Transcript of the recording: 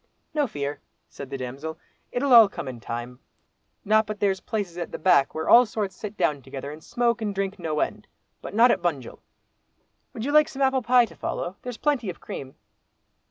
"No fear!" said the damsel. "It'll all come in time, not but there's places at the back where all sorts sit down together and smoke and drink no end. But not at Bunjil. Would you like some apple pie to follow, there's plenty of cream?"